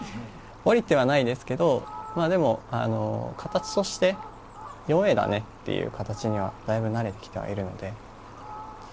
降りてはないですけど形として４Ａだねっていう形にはだいぶ慣れてきてはいるので。